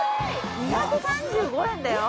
２３５円だよ？